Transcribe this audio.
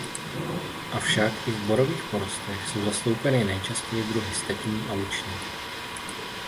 Avšak i v borových porostech jsou zastoupeny nejčastěji druhy stepní a luční.